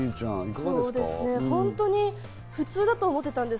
そうですね、本当に普通だと思っていたんです。